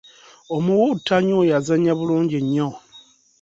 Omuwuwuttanyi oyo azannnya bulungi nnyo.